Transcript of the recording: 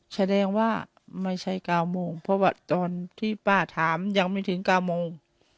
แสดงว่าไม่ใช่๙โมงเพราะว่าตอนที่ป้าถามยังไม่ถึง๙โมง